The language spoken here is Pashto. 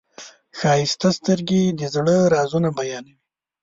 ښایسته سترګې د زړه رازونه بیانوي.